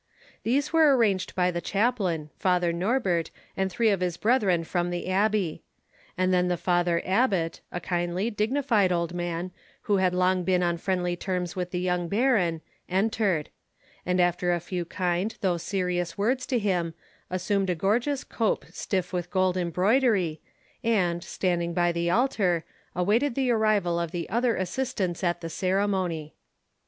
These were arranged by the chaplain, Father Norbert, and three of his brethren from the abbey. And then the Father Abbot, a kindly, dignified old man, who had long been on friendly terms with the young Baron, entered; and after a few kind though serious words to him, assumed a gorgeous cope stiff with gold embroidery, and, standing by the altar, awaited the arrival of the other assistants at the ceremony.